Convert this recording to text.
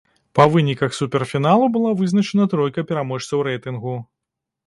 Па выніках суперфіналу была вызначана тройка пераможцаў рэйтынгу.